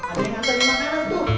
ada yang nganterin makanan tuh